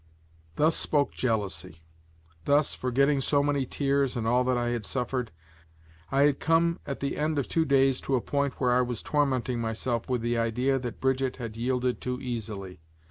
Thus spoke jealousy; thus, forgetting so many tears and all that I had suffered, I had come, at the end of two days, to a point where I was tormenting myself with the idea that Brigitte had yielded too easily.